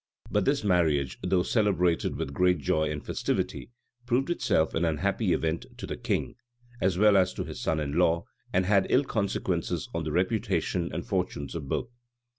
But this marriage, though celebrated with great joy and festivity, proved itself an unhappy event to the king, as well as to his son in law, and had ill consequences on the reputation and fortunes of both.